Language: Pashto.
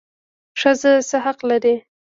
ښځه څه حق لري؟